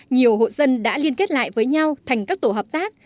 nhiều hộ dân đã liên kết lại với nhau thành các tổ hợp tác